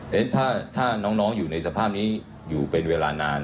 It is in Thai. เพราะฉะนั้นถ้าน้องอยู่ในสภาพนี้อยู่เป็นเวลานาน